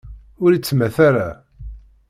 Ur ittemmat ara.